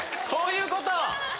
そういうこと！